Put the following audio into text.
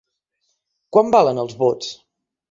Quant valen els vots?